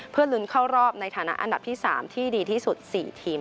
เพื่อลุ้นเข้ารอบในฐานะอันดับที่๓ที่ดีที่สุด๔ทีม